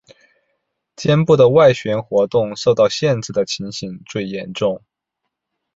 肩部的外旋活动受到限制的情形最严重。